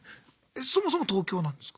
そもそも東京なんですか？